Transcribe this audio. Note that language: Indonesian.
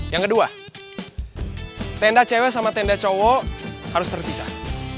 yang kedua tenda cewek sama tenda cowok harus terpisah